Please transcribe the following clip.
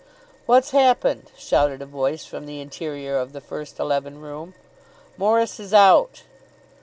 "What's happened?" shouted a voice from the interior of the first eleven room. "Morris is out."